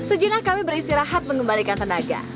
se jane lha kami beristirahat mengembalikan tenaga